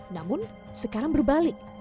namun sekarang berbalik